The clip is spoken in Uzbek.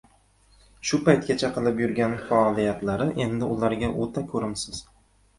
Shu paytgacha qilib yurgan faoliyatlari endi ularga o‘ta ko‘rimsiz